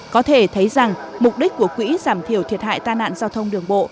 có thể thấy rằng mục đích của quỹ giảm thiểu thiệt hại ta nạn giao thông đường bộ